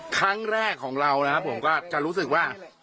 ครั้งแรกของเรานะครับผมก็จะรู้สึกว่า